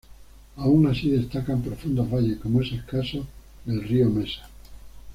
Aun así destacan profundos valles como es el caso del del río Mesa.